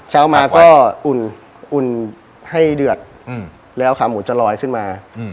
เช้ามาก็อุ่นให้เดือดแล้วขาหมูจะลอยขึ้นมา